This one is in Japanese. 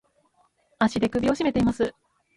足で首をしめています。